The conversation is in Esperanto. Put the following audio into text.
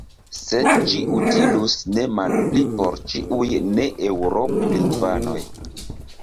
Sed ĝi utilus ne malpli por ĉiuj neeŭrop-lingvanoj.